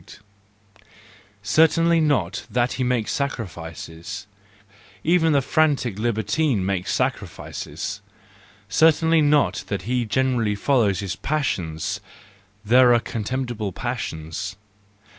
Certainly not that he makes sacrifices; even the frantic libertine makes sacrifices. Certainly not that he generally follows his passions; there are contemptible passions.